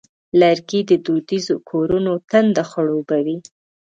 لرګی د دودیزو کورونو تنده خړوبوي.